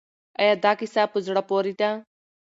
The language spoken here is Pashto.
آیا دا کیسه په زړه پورې ده؟